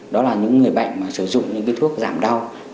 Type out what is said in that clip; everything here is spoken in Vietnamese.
đó là những người bệnh mà sử dụng những thuốc giảm đau